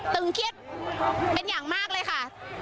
ตึงเครียดเป็นอย่างมากเลยค่ะ